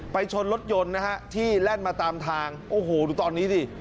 ชนรถยนต์นะฮะที่แล่นมาตามทางโอ้โหดูตอนนี้ดิ